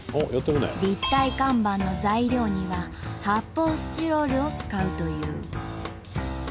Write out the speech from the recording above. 立体看板の材料には発泡スチロールを使うという。